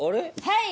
はい！